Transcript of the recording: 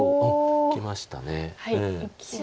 いきました。